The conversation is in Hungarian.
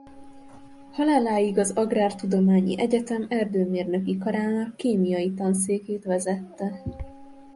Haláláig az Agrártudományi Egyetem Erdőmérnöki Karának Kémiai Tanszékét vezette.